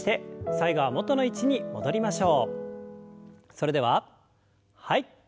それでははい。